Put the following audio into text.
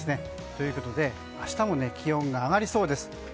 ということで明日も気温が上がりそうです。